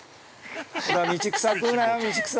◆道草食うなよ、道草。